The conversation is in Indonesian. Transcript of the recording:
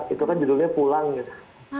itu kan judulnya pulang gitu